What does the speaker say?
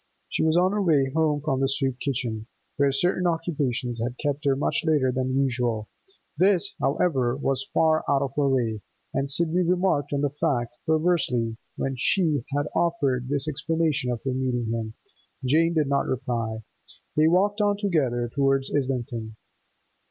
She was on her way home from the soup kitchen, where certain occupations had kept her much later than usual; this, however, was far out of her way, and Sidney remarked on the fact, perversely, when she had offered this explanation of her meeting him, Jane did not reply. They walked on together, towards Islington.